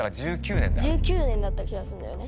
１９年だった気がすんだよね。